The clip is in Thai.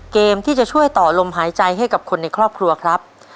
เกมที่จะช่วยต่อลมหายใจให้กับคนในครอบครัวครับ